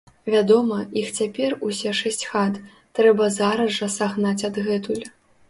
Вядома, іх цяпер, усе шэсць хат, трэба зараз жа сагнаць адгэтуль.